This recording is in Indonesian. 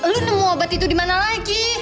lu nemu obat itu dimana lagi